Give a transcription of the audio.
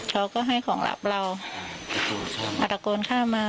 เขาก็ให้ของรับเรามาตะโกนข้ามมา